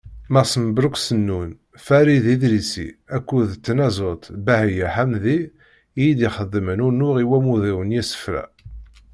Mass Mebruk Sennun, Farid Idrisi akked tnaẓurt Bahiya Ḥamdi i yi-d-ixedmen unuɣ i wammud-iw n yisefra.